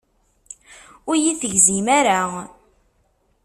Ur iyi-tegzim ara.